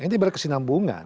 ini berarti kesinambungan